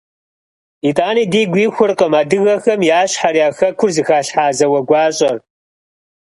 Итӏани, дигу ихуркъым адыгэхэм я щхьэр, я Хэкур зыхалъхьа зауэ гуащӏэр.